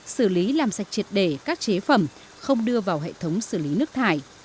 xử lý làm sạch triệt để các chế phẩm không đưa vào hệ thống xử lý nước thải